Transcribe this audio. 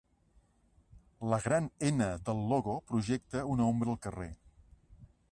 La gran "N" del logo projecta una ombra al carrer.